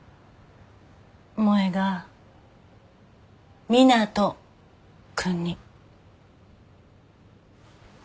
萌が湊斗君に。